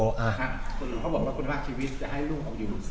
เขาบอกว่าคุณภาพชีวิตจะให้ลูกเอาอยู่